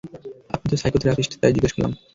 আপনি তো সাইকোথেরাপিস্ট তাই জিজ্ঞেস করলাম।